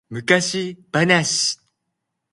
昔話